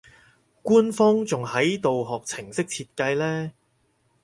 官方仲喺度學程式設計呢